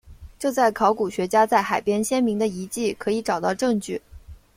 这在考古学家在海边先民的遗迹可以找到证据。